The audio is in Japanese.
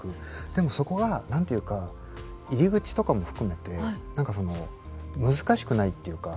でもそこが何て言うか入り口とかも含めて何かその難しくないっていうか。